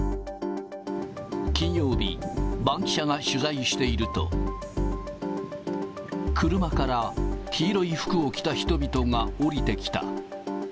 金曜日、バンキシャが取材していると、車から黄色い服を着た人々が降りてきた。